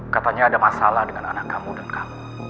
katanya ada masalah dengan anak kamu dan kamu